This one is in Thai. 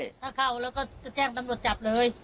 ถ้าเข้าแล้วก็จะแจ้งตำรวจจับเลย